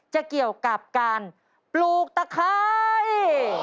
เกี่ยวกับการปลูกตะไคร้